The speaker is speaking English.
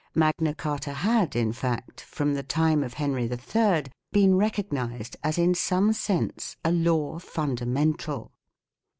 Magna Carta had, in fact, from the time of Henry III, been recognized as in some sense a law fundamental.